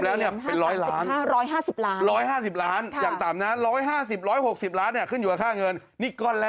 เอาอะไรคูณอ่ะ๓๐คูณ